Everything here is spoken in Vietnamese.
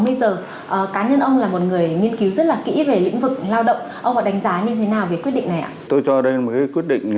và sáu mươi giờ cá nhân ông là một người nghiên cứu rất là kỹ về lĩnh vực lao động